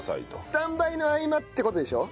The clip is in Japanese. スタンバイの合間って事でしょ？